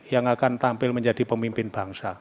yang akan tampil menjadi pemimpin bangsa